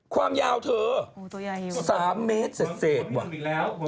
ความยาวเถอะสามเมตรเศษด้วยไปกดกระลังนี้นิดแล้ว